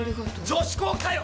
女子校かよ！